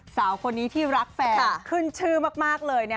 สาวคนนี้ที่รักแฟนขึ้นชื่อมากเลย